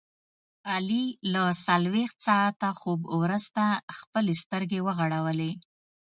علي له څلوریشت ساعته خوب ورسته خپلې سترګې وغړولې.